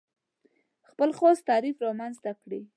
خپل خاص تعریف رامنځته کړي.